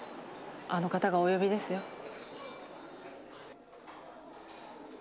あの方がお呼びですよ。